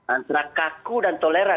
antara kaku dan toleran